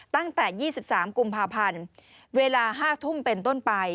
ตั้งแต่๒๓กุมภาพันธ์เวลา๕ทุ่มเป็นต้นไป